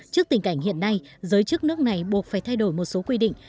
trước tình cảnh hiện nay giới chức nước này buộc phải thay đổi một số quy định